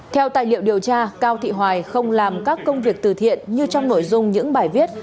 theo tài liệu điều tra cao thị hoài không làm các công việc từ thiện như trong nội dung những bài viết